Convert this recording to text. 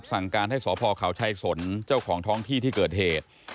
สั่งการให้สพเขาชัยสนเจ้าของท้องที่ที่เกิดเหตุ